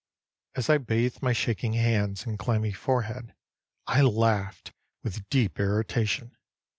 As I bathed my shaking hands and clammy forehead, I laughed with deep irritation.